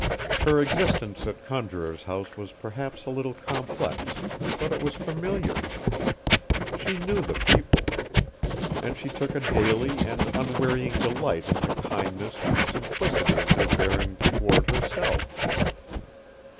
Her existence at Conjuror's House was perhaps a little complex, but it was familiar. She knew the people, and she took a daily and unwearying delight in the kindness and simplicity of their bearing toward herself.